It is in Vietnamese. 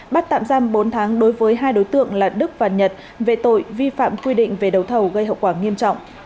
bắt tạm giam bốn tháng đối với hai đối tượng là đức và nhật về tội vi phạm quy định về đấu thầu gây hậu quả nghiêm trọng